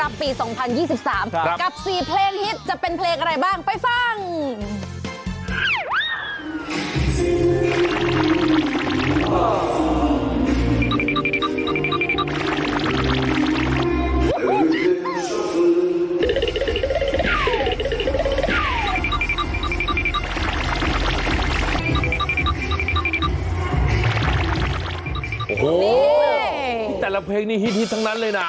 นี่แต่ละเพลงนี้ฮิตทั้งนั้นเลยนะ